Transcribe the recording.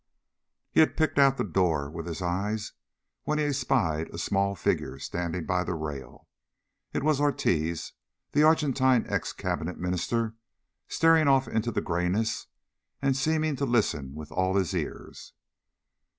He had picked out the door with his eye when he espied a small figure standing by the rail. It was Ortiz, the Argentine ex Cabinet Minister, staring off into the grayness, and seeming to listen with all his ears.